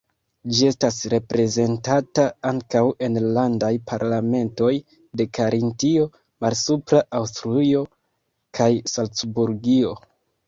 Ĝi estas reprezentata ankaŭ en la landaj parlamentoj de Karintio, Malsupra Aŭstrujo kaj Salcburgio.